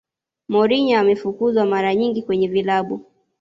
mourinho amefukuzwa mara nyingi kwenye vilabu